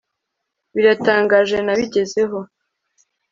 biratangaje nabigezeho